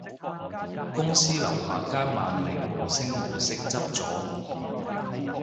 公司樓下間萬寧無聲無息執咗